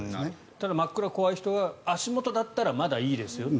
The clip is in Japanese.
ただ、真っ暗が怖い人は足元だったらまだいいですよと。